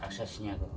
jadi sudah nyaman